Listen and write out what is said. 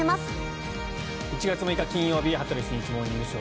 １月６日、金曜日「羽鳥慎一モーニングショー」。